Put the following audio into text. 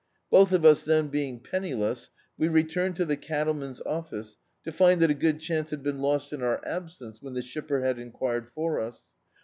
Both of us then being pen niless, we returned to the cattleman's office, to find that a good chance had been lost in our absence, when the shipper had enquired for us.